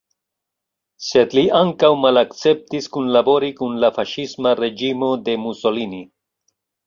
Sed li ankaŭ malakceptis kunlabori kun la faŝisma reĝimo de Mussolini.